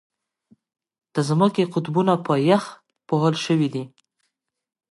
د ځمکې قطبونه په یخ پوښل شوي دي.